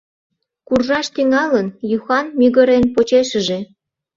Куржаш тӱҥалын, Юхан, мӱгырен, почешыже.